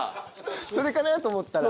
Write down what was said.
それかな？と思ったら。